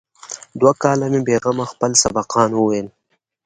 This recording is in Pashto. دوه کاله مې بې غمه خپل سبقان وويل.